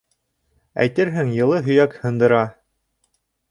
Әйтерһең, йылы һөйәк һындыра.